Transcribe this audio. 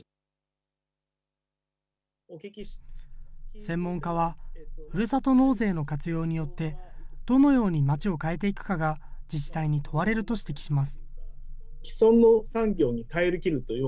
専門家は、ふるさと納税の活用によって、どのように町を変えていくかが、自治体に問われると指摘します。